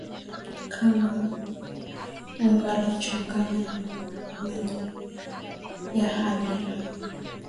kanga unga uliochanganya na maji ya hamira